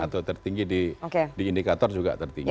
atau tertinggi di indikator juga tertinggi